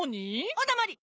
おだまり！